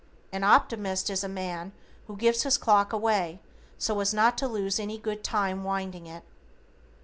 An Optimist is a man who gives his clock away so as not to lose any good time winding it.